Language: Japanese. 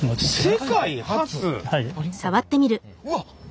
うわっ！